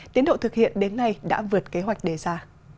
tiến độ thực hiện đến nay đã vượt kế hoạch đề ra